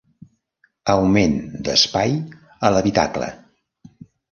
Augment d'espai a l'habitacle.